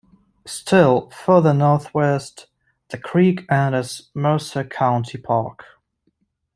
Still further northwest, the creek enters Mercer County Park.